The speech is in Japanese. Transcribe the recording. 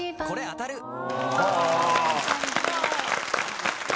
「これ当たる」